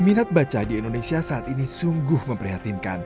minat baca di indonesia saat ini sungguh memprihatinkan